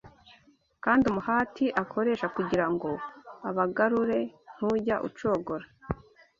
kandi umuhati akoresha kugira ngo abagarure ntujya ucogora